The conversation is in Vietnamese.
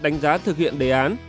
đánh giá thực hiện đề án